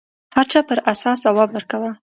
هر چا پر اساس ځواب ورکاوه